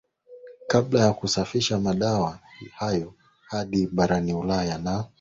kabla ya kusafirisha madawa hayo hadi barani Ulaya na